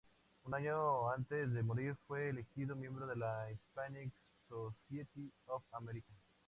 Un año antes de morir fue elegido miembro de la Hispanic Society of America.